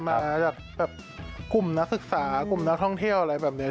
มาจากกลุ่มนักศึกษากลุ่มนักท่องเที่ยวอะไรแบบนี้